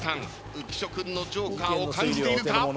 浮所君のジョーカーを感じているか？